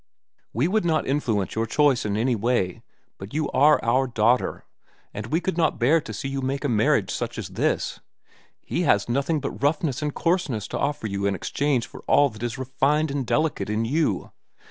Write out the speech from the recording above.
"We would not influence your choice in any way; but you are our daughter, and we could not bear to see you make a marriage such as this. He has nothing but roughness and coarseness to offer you in exchange for all that is refined and delicate in you.